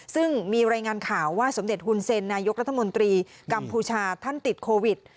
ซึ่งมีรายงานข่าวว่าสมเด็จฮุนเซ็นนายกรัฐมนตรีกัมพูชาท่านติดโควิด